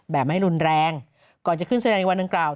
ไม่รุนแรงก่อนจะขึ้นแสดงในวันดังกล่าว